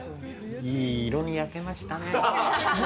いい色に焼けましたね。